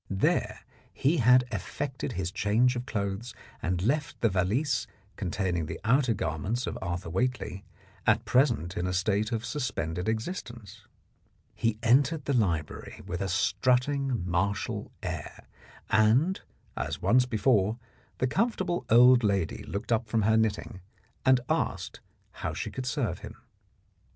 There he had effected his change of clothes and left the valise containing the outer garments of Arthur Whately, at present in a state of suspended existence. He entered the library with a strutting martial air, and, as once before, the comfortable old lady looked up from her knitting and asked how she could serve him.